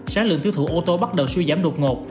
sáng lượng tiêu thụ ô tô bắt đầu suy giảm đột ngột